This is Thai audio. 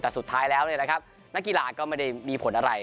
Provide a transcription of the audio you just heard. แต่สุดท้ายแล้วนี่แหละครับนักกีฬาก็ไม่ได้มีผลอะไร